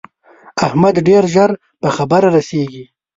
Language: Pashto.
احمد ډېر ژر په خبره رسېږي.